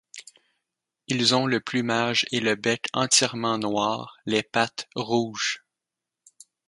Ils ont le plumage et le bec entièrement noirs, les pattes rouges.